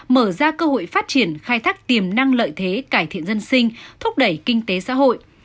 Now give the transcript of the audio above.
mở ra cơ hội phát triển khai thác tiềm năng lợi thế cải thiện dân sinh thúc đẩy kinh tế xã hội